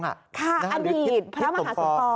ค่ะอันนี้พระมหาสมปอง